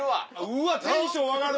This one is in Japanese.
うわテンション上がる！